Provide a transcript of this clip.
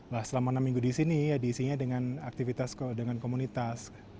nah selama enam minggu di sini ya diisinya dengan aktivitas dengan komunitas